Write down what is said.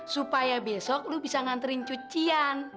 supaya besok lu bisa nganterin cucian